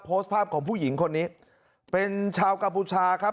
โพสต์ภาพของผู้หญิงคนนี้เป็นชาวกัมพูชาครับ